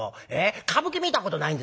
歌舞伎見たことないんですか？